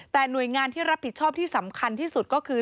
แต่หน่วยงานที่รับผิดชอบที่สำคัญที่สุดก็คือ